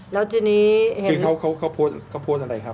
แล้วทีนี้คือเขาโพสต์อะไรครับ